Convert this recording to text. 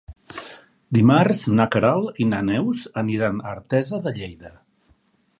Dimarts na Queralt i na Neus aniran a Artesa de Lleida.